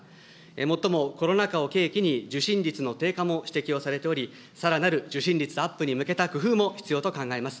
もっとも、コロナ禍を契機に、受診率の低下も指摘をされており、さらなる受診率アップに向けた工夫も必要と考えます。